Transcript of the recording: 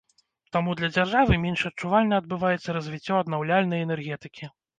Таму для дзяржавы менш адчувальна адбываецца развіццё аднаўляльнай энергетыкі.